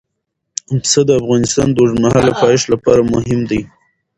پسه د افغانستان د اوږدمهاله پایښت لپاره مهم دی.